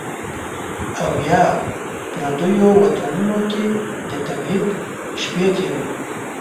او یا، پردیو وطنونو کې د تبعید شپې تیروي